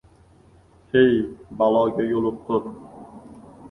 He, baloga yoʻliqqur!